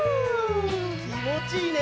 きもちいいね。